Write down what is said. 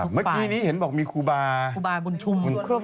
เมื่อกี้นี้เห็นบอกมีครูบาครูบาบุญชุมบุญ